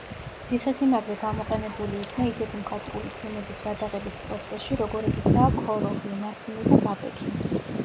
ციხე-სიმაგრე გამოყენებული იქნა ისეთი მხატვრული ფილმების გადაღების პროცესში, როგორებიცაა: „ქოროღლი“, „ნასიმი“ და „ბაბექი“.